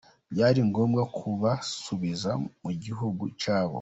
byari ngombwa kubasubiza mu gihugu cyabo.